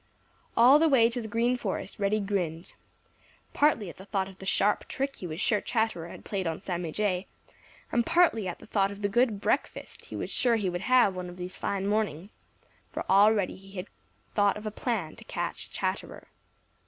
All the way to the Green Forest Reddy grinned, partly at thought of the sharp trick he was sure Chatterer had played on Sammy Jay, and partly at thought of the good breakfast he was sure he would have one of these fine mornings, for already he had thought of a plan to catch Chatterer.